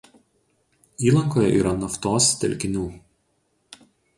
Įlankoje yra naftos telkinių.